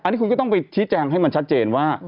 อันนี้คุณก็ต้องไปชี้แจงให้มันชัดเจนว่า